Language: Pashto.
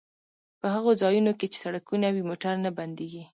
په هغو ځایونو کې چې سړکونه وي موټر نه بندیږي